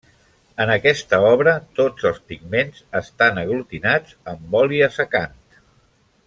En aquesta obra, tots els pigments estan aglutinats amb oli assecant.